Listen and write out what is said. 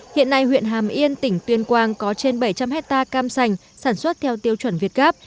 hiện nay huyện hàm yên tỉnh tuyên quang có trên bảy trăm linh hectare cam sành sản xuất theo tiêu chuẩn việt gáp